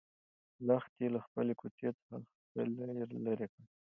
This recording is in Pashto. لښتې له خپلې کوڅۍ څخه خلی لرې کړ.